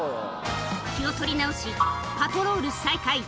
気を取り直し、パトロール再開。